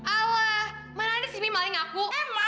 allah mana ada sini maling aku